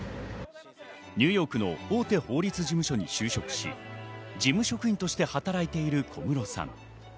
ニューヨークの大手法律事務所に就職し、事務職員として働いている小室さん。